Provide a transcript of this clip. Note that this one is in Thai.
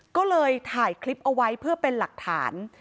ก็เลยถ่ายคลิปเอาไว้เพื่อเป็นหลักฐาน